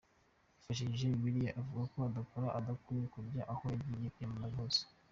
Yifashishije Bibiliya, avuga ko udakora adakwiye no kurya aho yagiye kwiyamamaza hose.